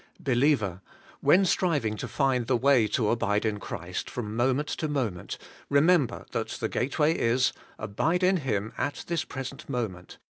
Believer! when striving to find the way to abide in Christ from moment to moment, remember that the gateway is: Abide in Him at this present moment.